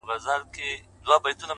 سم وارخطا،